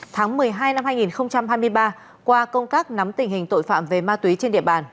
tháng một mươi hai năm hai nghìn hai mươi ba qua công tác nắm tình hình tội phạm về ma túy trên địa bàn